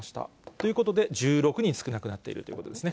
ということで、１６人少なくなっているということですね。